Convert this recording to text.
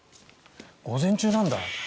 午前中なんだ。